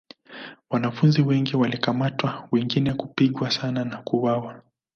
Wanafunzi wengi walikamatwa wengine kupigwa sana na kuuawa.